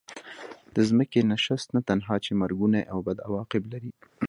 د ځمکې نشست نه تنها چې مرګوني او بد عواقب لري.